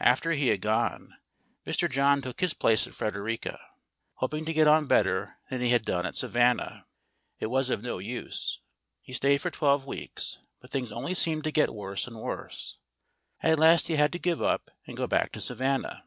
After he had gone, Mr. John took his place at Frederica, hoping to get on better than he had done at Savannah. It was of no use; he stayed for twelve weeks, but things only seemed to get worse and worse. At last he had to give up and go back to Savannah.